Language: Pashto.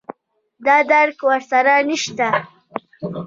دا درک ور سره نشته